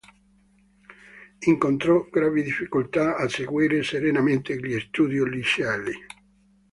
Incontrò gravi difficoltà a seguire serenamente gli studi liceali.